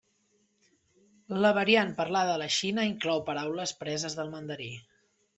La variant parlada a la Xina inclou paraules preses del mandarí.